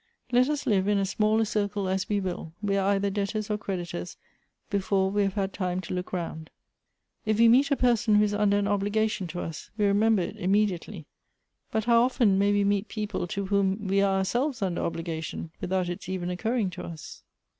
" Let us live in as small a circle as we will, we are either debtors or creditors before we have had time to look round." " If we meet a person who is under an obligation to us, we remember it immediately. But how often may we 184 Goethe's meet people to whom we are om selves under obligation, without its even occurring to us